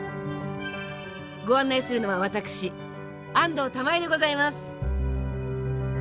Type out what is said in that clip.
ご案内するのは私安藤玉恵でございます。